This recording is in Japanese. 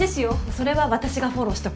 それは私がフォローしとく。